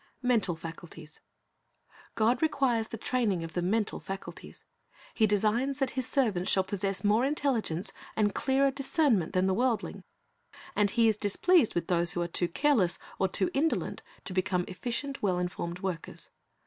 MENTAL FACULTIES God requires the training of the mental faculties. He designs that His servants shall possess more intelligence and clearer discernment than the worldling, and He is displeased with those who are too careless or too indolent to become efficient, well informed workers.